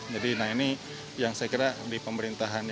jadi nah ini yang saya kira di pemerintahan ya